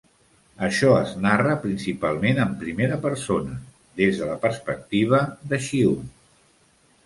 Això es narra principalment en primera persona, des de la perspectiva de Chiun.